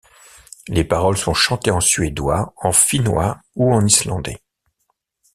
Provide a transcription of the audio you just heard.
Les paroles sont chantées en suédois, en finnois ou en islandais.